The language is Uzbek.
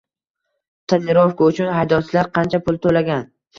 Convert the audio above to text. Tonirovka uchun haydovchilar qancha pul toʻlagan?